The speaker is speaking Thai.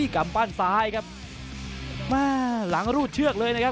กำปั้นซ้ายครับมาหลังรูดเชือกเลยนะครับ